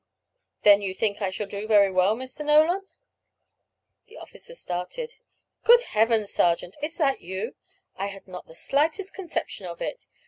"Then you think I shall do very well, Mr. Nolan?" The officer started. "Good Heavens, sergeant, is it you? I had not the slightest conception of it.